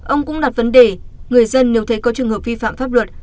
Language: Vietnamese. ông cũng đặt vấn đề người dân nếu thấy có trường hợp vi phạm pháp luật